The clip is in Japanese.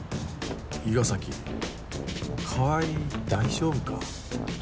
伊賀崎川合大丈夫か？